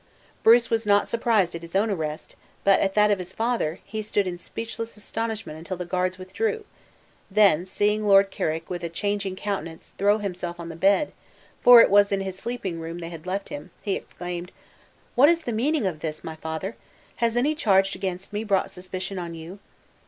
Bruce was not surprised at his own arrest; but at that of his father, he stood in speechless astonishment until the guards withdrew; then, seeing Lord Carrick with a changing countenance throw himself on the bed (for it was in his sleeping room they had left him), he exclaimed, "What is the meaning of this, my father? Has any charge against me brought suspicion on you?"